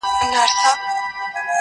ایله پوه د خپل وزیر په مُدعا سو!